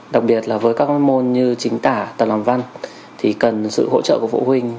đặc biệt là với các môn như chính tả tầng làm văn thì cần sự hỗ trợ của phụ huynh